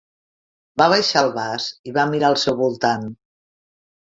Va baixar el vas i va mirar al seu voltant.